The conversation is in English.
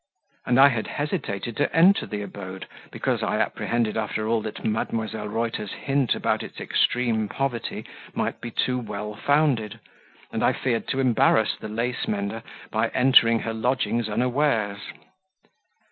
And I had hesitated to enter the abode, because I apprehended after all that Mdlle. Reuter's hint about its extreme poverty might be too well founded, and I feared to embarrass the lace mender by entering her lodgings unawares!